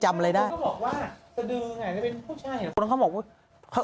เพราะมัยต้องกินให้มองว่า